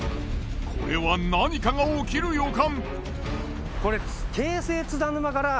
これは何かが起きる予感。